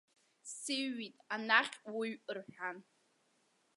Сыҩит, анахь уҩ рҳәан.